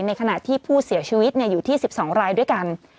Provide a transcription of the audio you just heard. ในขณะที่ผู้เสียชีวิตอยู่ที่๑๒รายด้วยกัน